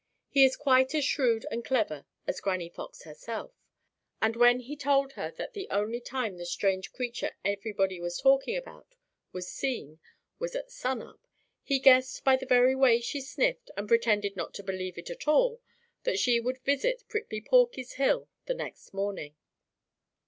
He is quite as shrewd and clever as Granny Fox herself, and when he told her that the only time the strange creature everybody was talking about was seen was at sun up, he guessed by the very way she sniffed and pretended not to believe it at all that she would visit Prickly Porky's hill the next morning.